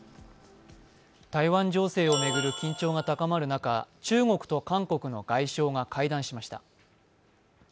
台湾情勢を巡る緊張が高まる中、中国と韓国の外相が会談しました。